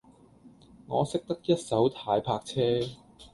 我識得一手軚泊車